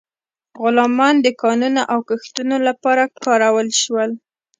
غلامان د کانونو او کښتونو لپاره کارول شول.